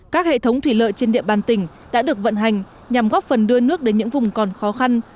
các hệ thống thủy lợi trên địa bàn tỉnh đã được vận hành nhằm góp phần đưa nước đến những vùng còn khó khăn